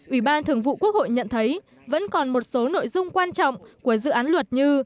ủy ban thường vụ quốc hội nhận thấy vẫn còn một số nội dung quan trọng của dự án luật như